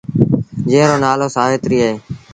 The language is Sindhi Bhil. جݩهݩ رو نآلو سآويتريٚ اهي ۔